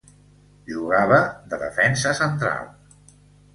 Jugava de defensa central.